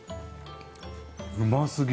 うますぎ。